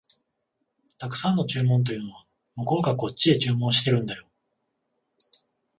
沢山の注文というのは、向こうがこっちへ注文してるんだよ